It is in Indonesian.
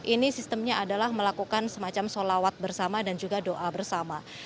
ini sistemnya adalah melakukan semacam solawat bersama dan juga doa bersama